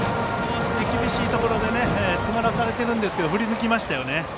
少し厳しいところで詰まらされているんですが振り抜きましたよね。